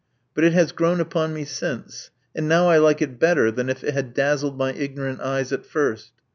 But it has grown upon me since; and now I like it better than if it had dazzled my ignorant eyes at first.